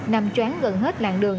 nằm choán gần hết làng đường